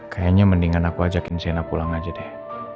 kayanya mendingan aku ajakin siena pulang aja deh